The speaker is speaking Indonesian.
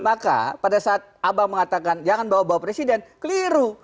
maka pada saat abang mengatakan jangan bawa bawa presiden keliru